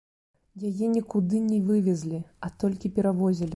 Яе нікуды не вывезлі, а толькі перавозілі.